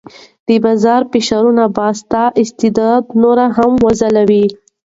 د بازار فشارونه به ستا استعداد نور هم وځلوي.